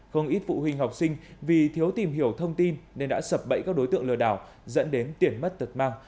không ít phụ huynh học sinh vì thiếu tìm hiểu thông tin nên đã sập bẫy các đối tượng lừa đảo dẫn đến tiền mất tật mang